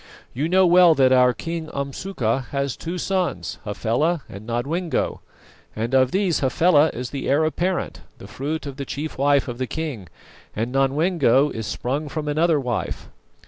You know well that our King Umsuka has two sons, Hafela and Nodwengo; and of these Hafela is the heir apparent, the fruit of the chief wife of the king, and Nodwengo is sprung from another wife.